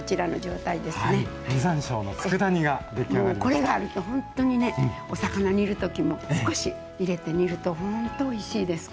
これがあるとほんとにねお魚煮る時も少し入れて煮るとほんとおいしいですから。